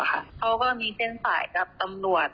เขาก็มีเท่าไหร่กับตำรวจ